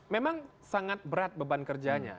memang sangat berat beban kerjanya